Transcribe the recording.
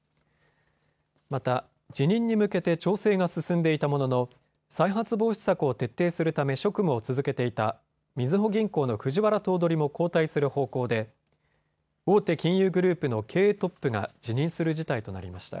また辞任に向けて調整が進んでいたものの再発防止策を徹底するため職務を続けていたみずほ銀行の藤原頭取も交代する方向で大手金融グループの経営トップが辞任する事態となりました。